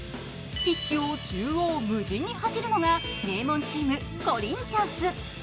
ピッチを縦横無尽に走るのが名門チーム・コリンチャンス。